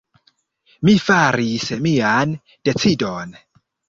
Mi faris mian decidon.